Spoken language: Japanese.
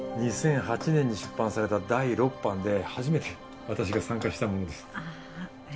２００８年に出版された第６版で初めて私が参加したものですああ